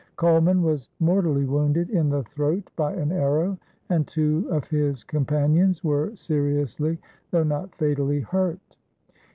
Colman was mortally wounded in the throat by an arrow, and two of his companions were seriously, though not fatally, hurt.